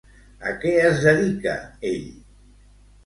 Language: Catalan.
A què es dedica ell?